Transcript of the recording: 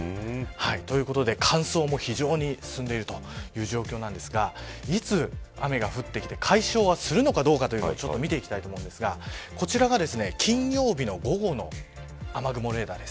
ということで、乾燥も非常に進んでいるという状況なんですがいつ雨が降って解消はするのかどうかを見ていきたいと思うんですがこちらが金曜日の午後の雨雲レーダーです。